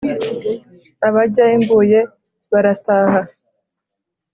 abajya i mbuye barataha